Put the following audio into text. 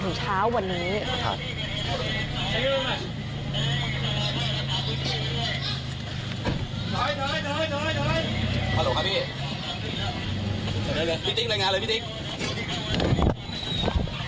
พี่ติ๊กรายงานเลยพี่ติ๊ก